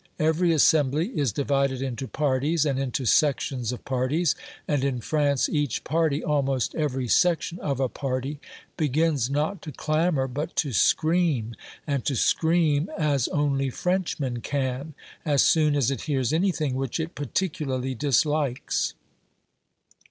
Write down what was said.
Every assembly is divided into parties and into sections of parties, and in France each party, almost every section of a party, begins not to clamour but to scream, and to scream as only Frenchmen can, as soon as it hears anything which it particularly dislikes.